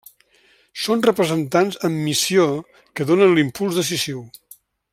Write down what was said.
Són representants en missió que donen l'impuls decisiu.